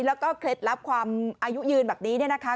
แล้วก็เคล็ดลับความอายุยืนแบบนี้เนี่ยนะคะ